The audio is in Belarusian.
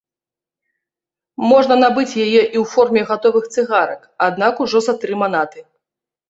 Можна набыць яе і ў форме гатовых цыгарак, аднак ужо за тры манаты.